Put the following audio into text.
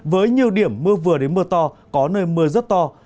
với nhiều điểm mưa vừa đến mưa to có nơi mưa rất to